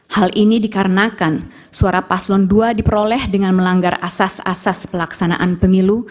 hal ini dikarenakan suara paslon dua diperoleh dengan melanggar asas asas pelaksanaan pemilu